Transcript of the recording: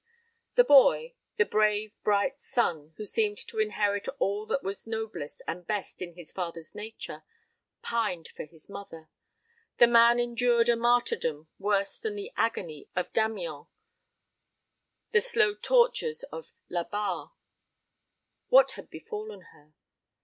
The boy the brave bright son, who seemed to inherit all that was noblest and best in his father's nature pined for his mother. The man endured a martyrdom worse than the agony of Damiens, the slow tortures of La Barre. What had befallen her?